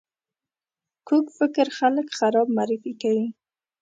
کوږ فکر خلک خراب معرفي کوي